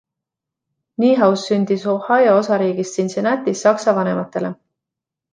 Niehaus sündis Ohio osariigis Cincinnatis Saksa vanematele.